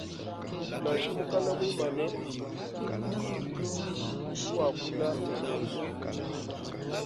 Nansha mukana muimane udi wakula ne mesu.